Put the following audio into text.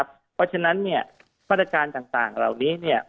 เพราะฉะนั้นเนี่ยมาตรการต่างเหล่านี้